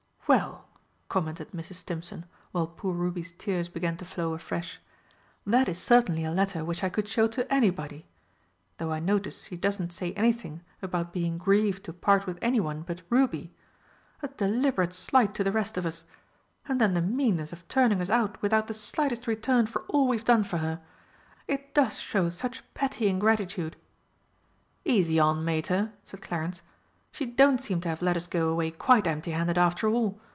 "Well," commented Mrs. Stimpson, while poor Ruby's tears began to flow afresh, "that is certainly a letter which I could show to anybody. Though I notice she doesn't say anything about being grieved to part with anyone but Ruby. A deliberate slight to the rest of us! And then the meanness of turning us out without the slightest return for all we've done for her! It does show such petty ingratitude!" "Easy on, Mater!" said Clarence. "She don't seem to have let us go away quite empty handed after all.